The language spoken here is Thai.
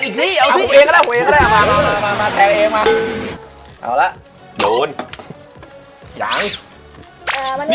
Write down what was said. เอาสิมึงให้กูแทงอีกสิ